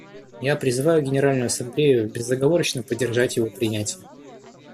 Я призываю Генеральную Ассамблею безоговорочно поддержать его принятие.